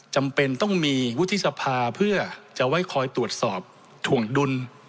จำเป็นต้องมีวุฒิสภาเพื่อจะไว้คอยตรวจสอบถวงดุล